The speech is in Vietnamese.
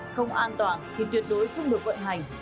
không an toàn thì tuyệt đối không được vận hành